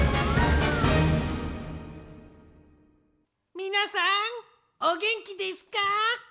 みなさんおげんきですか？